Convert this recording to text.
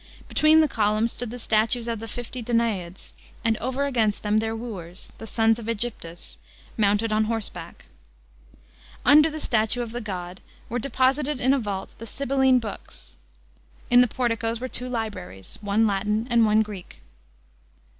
Between the columns stood the statues of the fifty Danaids. and over against them their wooers, the sons of ^Egyptus, mounted on horseback. Under the statu ' of the god were deposited in a vault the Sibylline Hooks. In the porticoes were two libraries, one Latin and one Greek.